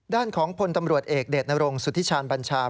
ด้านของพลตำรวจเอกเดชนรงสุธิชาญบัญชา